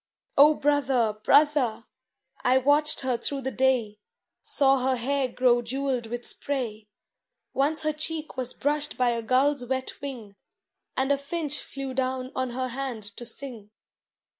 O brother, brother, I watched her through the day. Saw her hair grow jewelled with spray ; Once her cheek was brushed by a gull's wet wing, And a finch flew down on her hand to sing.